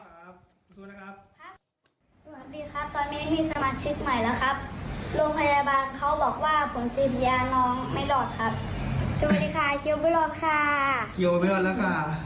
เห็นไหม